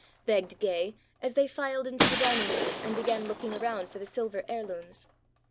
begged Gay, as they filed into the dining room and began looking around for the silver heirlooms.